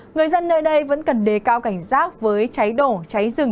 người dân nơi đây vẫn cần đề cao cảnh giác với cháy nổ cháy rừng